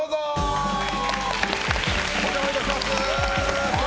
お邪魔いたします！